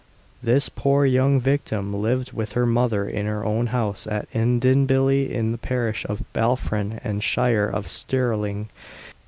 This poor young victim lived with her mother in her own house at Edinbilly, in the parish of Balfron and shire of Stirling.